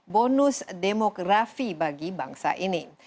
bonus demografi bagi bangsa ini